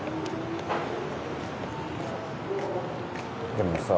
でもさ。